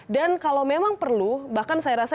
dan kalau memang perlu bahkan saya rasa